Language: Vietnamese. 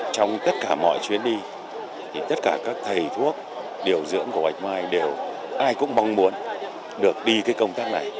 trong tất cả mọi chuyến đi tất cả các thầy thuốc điều dưỡng của bạch mai đều ai cũng mong muốn được đi công tác này